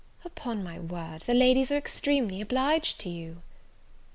"Upon my word, the ladies are extremely obliged to you."